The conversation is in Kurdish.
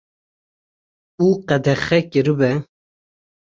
û qedexe kiribe